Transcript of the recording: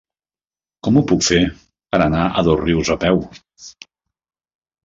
Com ho puc fer per anar a Dosrius a peu?